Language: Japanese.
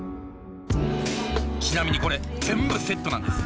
ちなみにこれ全部セットなんです。